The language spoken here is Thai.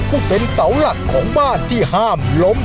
ผู้เป็นเสาหลักของบ้านที่ห้ามล้ม